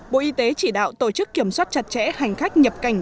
bộ y tế chỉ đạo tổ chức kiểm soát chặt chẽ hành khách nhập cảnh